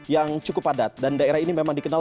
yang cukup padat dan daerah ini memang dikenal